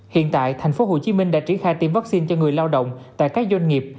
hiện tại thành phố hồ chí minh đã triển khai tiêm vaccine cho người lao động tại các doanh nghiệp